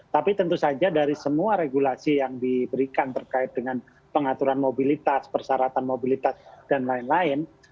tapi tentu saja dari semua regulasi yang diberikan terkait dengan pengaturan mobilitas persyaratan mobilitas dan lain lain